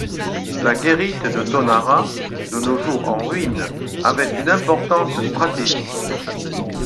La guérite de Tonnara, de nos jours en ruine, avait une importance stratégique.